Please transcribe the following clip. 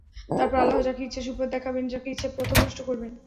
তারপর আল্লাহ্ যাকে ইচ্ছা সুপথ দেখাবেন, যাকে ইচ্ছা পথভ্রষ্ট করবেন।